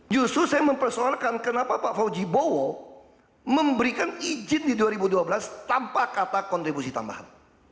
justru saya mempersoalkan kenapa pak fauji bowo memberikan izin di dua ribu dua belas tanpa kata kontribusi tambahan